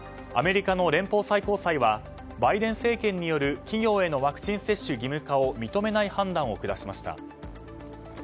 アメリカの連邦最高裁はバイデン政権による企業へのワクチン接種義務化を認めない判断を下しました。